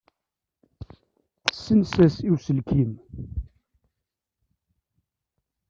Tessens-as i uselkim.